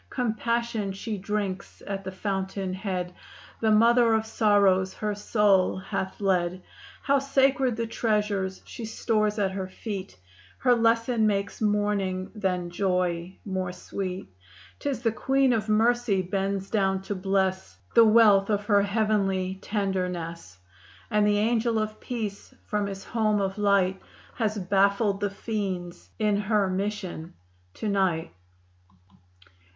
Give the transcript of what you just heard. Compassion she drinks at the fountain head; The Mother of Sorrows her soul hath led. How sacred the treasures she stores at Her feet; Her lesson makes mourning than joy more sweet. 'Tis the Queen of Mercy bends down to bless The wealth of her heavenly tenderness, And the Angel of Peace from his home of light Has baffled the fiends in her mission to night!